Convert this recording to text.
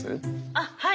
あっはい。